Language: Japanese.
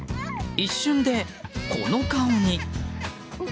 一瞬でこの顔に。